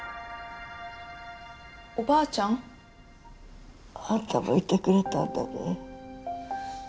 おばあちゃん？あんたもいてくれたんだね。